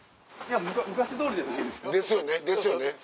昔どおりじゃない。ですよねですよね。